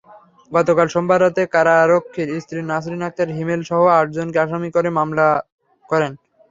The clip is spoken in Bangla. গতকাল সোমবার রাতে কারারক্ষীর স্ত্রী নাসরীন আক্তার হিমেলসহ আটজনকে আসামি করে মামলা করেন।